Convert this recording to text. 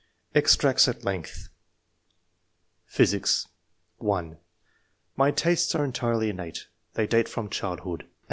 EXTRACTS AT LENGTH. PHYSICS. (1) "My tastes are entirely innate ; they date from childhood."